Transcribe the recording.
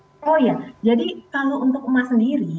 oh ya jadi kalau untuk emas sendiri